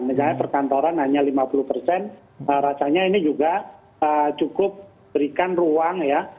misalnya perkantoran hanya lima puluh persen rasanya ini juga cukup berikan ruang ya